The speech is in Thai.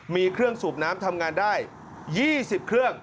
มีเครื่องสูบน้ำทำงานได้๒๐เครื่อง